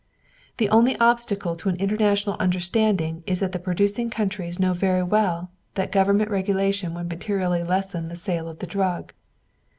The only obstacle to an international understanding is that the producing countries know very well that government regulation would materially lessen the sale of the drug.